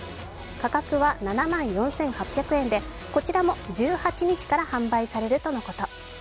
価格は７万４８００円で、こちらも１８日から販売されるとのこと。